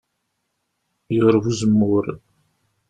Yurew uzemmur.